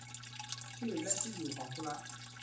ชื่อและที่อยู่ของผู้รับ